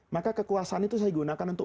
maka kekuasaan itu saya gunakan untuk